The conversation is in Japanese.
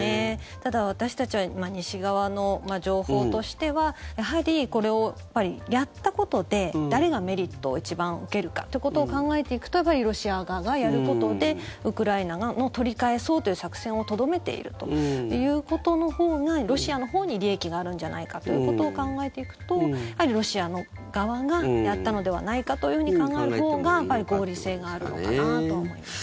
ただ私たちは西側の情報としてはやはり、これをやったことで誰がメリットを一番受けるかっていうことを考えていくとやっぱりロシア側がやることでウクライナの取り返そうという作戦をとどめているということのほうがロシアのほうに利益があるんじゃないかということを考えていくとロシアの側がやったのではないかというふうに考えるほうがやっぱり合理性があるのかなとは思いますね。